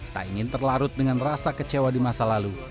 tak ingin terlarut dengan rasa kecewa di masa lalu